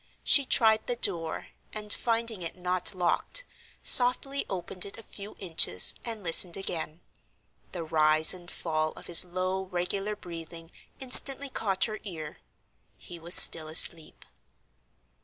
She tried the door, and, finding it not locked, softly opened it a few inches and listened again. The rise and fall of his low, regular breathing instantly caught her ear. He was still asleep.